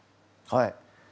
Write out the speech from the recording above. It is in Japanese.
はい。